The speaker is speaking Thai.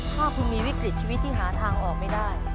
ถ้าคุณมีวิกฤตชีวิตที่หาทางออกไม่ได้